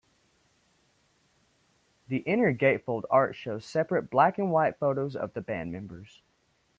The inner gatefold art shows separate black-and-white photos of the band members.